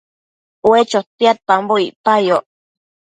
Ue chotiambo icpayoc